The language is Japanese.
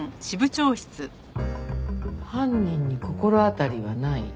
犯人に心当たりはない。